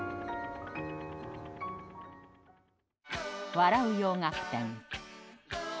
「笑う洋楽展」。